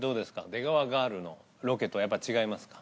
出川ガールのロケとやっぱ違いますか？